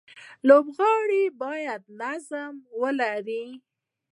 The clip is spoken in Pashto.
لوبغاړي باید نظم ولري.